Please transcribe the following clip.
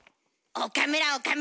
岡村岡村。